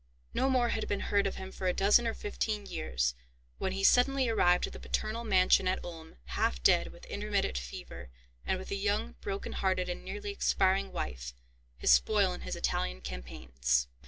No more had been heard of him for a dozen or fifteen years, when he suddenly arrived at the paternal mansion at Ulm, half dead with intermittent fever, and with a young, broken hearted, and nearly expiring wife, his spoil in his Italian campaigns.